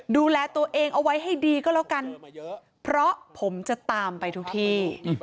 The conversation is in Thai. ดูแลตัวเองเอาไว้ให้ดีก็แล้วกันเพราะผมจะตามไปทุกที่